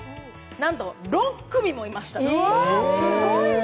なんと、６組もいました。